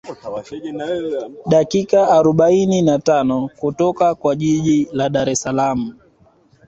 Dakika arobaini na tano kutoka kwa jiji la Dar es Salaam